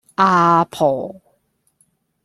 阿婆